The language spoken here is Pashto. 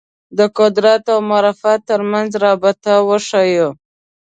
د قدرت او معرفت تر منځ رابطه وښييو